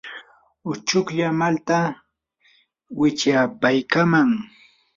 uchuklla malta wichyapaykaaman.